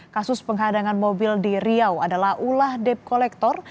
kasus penghadangan mobil di riau adalah ulah dep kolektor